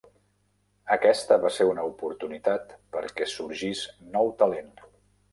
Aquesta va ser una oportunitat perquè sorgís nou talent.